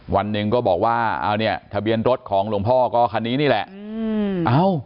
วันหนึ่งก็บอกว่าเอาเนี่ยทะเบียนรถของหลวงพ่อก็คันนี้นี่แหละ